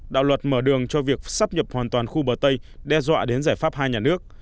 đạo luật mở đường cho việc sắp nhập hoàn toàn khu bờ tây đe dọa đến giải pháp hai nhà nước